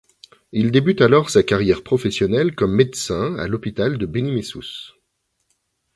Il débute alors sa carrière professionnelle comme médecin à l'hôpital de Beni Messous.